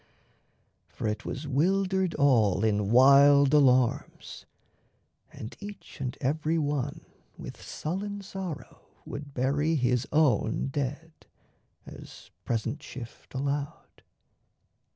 For it was wildered all In wild alarms, and each and every one With sullen sorrow would bury his own dead, As present shift allowed.